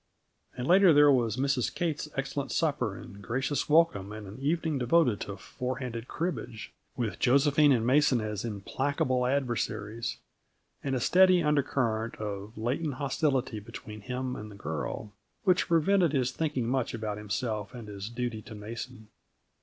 And, later, there was Mrs. Kate's excellent supper and gracious welcome, and an evening devoted to four handed cribbage with Josephine and Mason as implacable adversaries and a steady undercurrent of latent hostility between him and the girl, which prevented his thinking much about himself and his duty to Mason.